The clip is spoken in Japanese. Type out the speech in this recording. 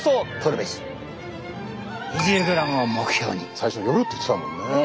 最初夜って言ってたもんね。